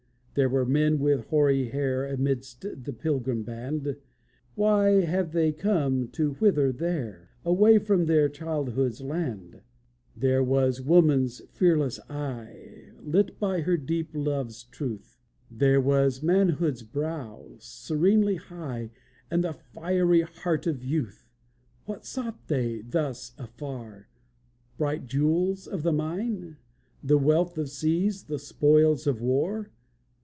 There were men with hoary hair Amidst that pilgrim band; Why have they come to wither there, Away from their childhood's land? There was woman's fearless eye, Lit by her deep love's truth; There was manhood's brow, serenely high, And the fiery heart of youth. What sought they thus afar? Bright jewels of the mine? The wealth of seas, the spoils of war?